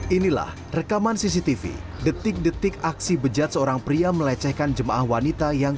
inilah rekaman cctv detik detik aksi bejat seorang pria melecehkan jemaah wanita yang